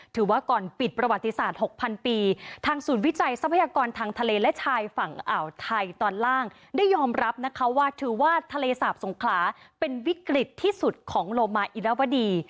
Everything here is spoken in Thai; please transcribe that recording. ถือว่าก่อนปิดประวัติศาสตร์๖๐๐ปีทางศูนย์วิจัยทรัพยากรทางทะเลและชายฝั่งอ่าวไทยตอนล่างได้ยอมรับนะคะว่าถือว่าทะเลสาบสงขลาเป็นวิกฤตที่สุดของโลมาอิลวดี